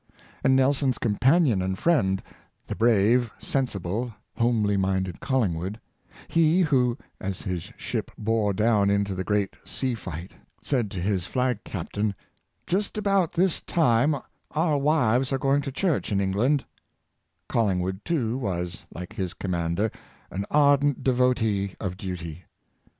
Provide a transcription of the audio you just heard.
And Nelson's companion and friend — the brave, sensible, homely minded Collingwood — he who, as his ship bore down into the great sea fight, National Sense of Duty, 499 said to his flag captain, ^'Just about this time our wives are going to church in England "— CoUingwood too was, like his commander, an ardent devotee of duty.